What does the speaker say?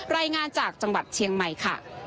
รายงานจากจังหวัดเชียงใหม่ค่ะ